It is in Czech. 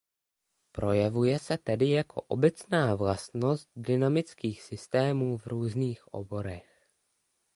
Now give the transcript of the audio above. Projevuje se tedy jako obecná vlastnost dynamických systémů v různých oborech.